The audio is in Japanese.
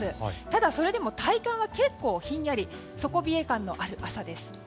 ただ、それでも体感は結構ひんやり底冷え感のある朝です。